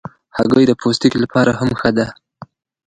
هګۍ د پوستکي لپاره هم ښه ده.